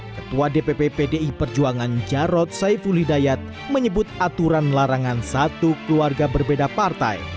ketua dpp pdi perjuangan jarod saiful hidayat menyebut aturan larangan satu keluarga berbeda partai